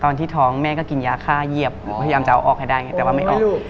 ตอนที่ท้องแม่ก็กินยาฆ่าเยียบพยายามจะเอาออกให้ได้ไงแต่ว่าไม่ออก